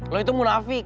lo itu munafik